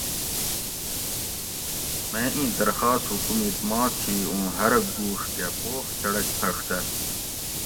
میں ایں درخواست حکومِت ما تھی اُوں ہرّہ گُوڛ کہ پوخ څڑک پھڛ دہ